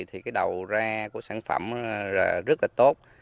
thì cái đầu ra của sản phẩm rất là tốt